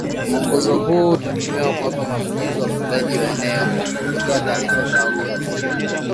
Mwongozo huu utatumiwa kuwapa mafunzo wafugaji wa eneo kutoa taarifa za magonjwa